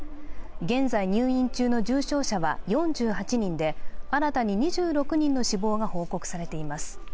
現在入院中の重症者は４８人で新たに２６人の死亡が報告されています。